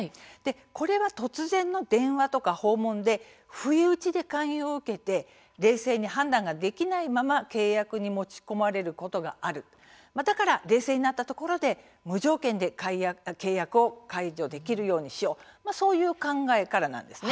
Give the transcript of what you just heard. これは突然の電話や訪問で不意打ちで勧誘を受けて冷静に判断ができないまま契約に持ち込まれることがあるだから冷静になったところで無条件で契約を解除できるようにしよう、そういう考えからなんです。